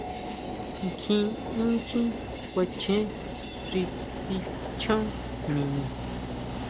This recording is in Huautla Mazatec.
Nkjín inchjín kuachen xi sichán niñu.